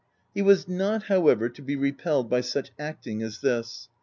331 He was not, however, to be repelled by such acting as this.